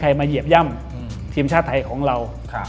มาเหยียบย่ำทีมชาติไทยของเรา